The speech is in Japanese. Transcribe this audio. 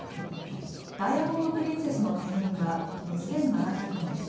ダイヤモンド・プリンセスの定員は２７００人。